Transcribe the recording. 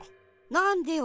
なんでよ